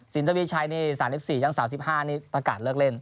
สินตะวิชัยศาล๑๔จัง๓๕ประกาศเลิกเล่น